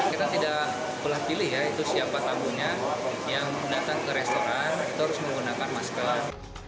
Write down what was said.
kita tidak boleh pilih ya itu siapa tamunya yang datang ke restoran itu harus menggunakan masker